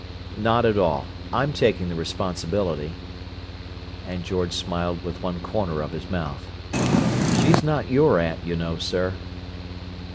"Not at all. I'm taking the responsibility." And George smiled with one corner of his mouth. "She's not your aunt, you know, sir."